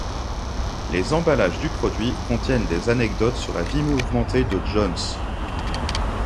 Les emballages du produit contiennent des anecdotes sur la vie mouvementée de Jones.